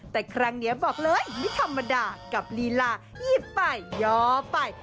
แต่ครั้งนี้บอกเลยไม่ธรรมดากับลีลาหยิบไปย่อไป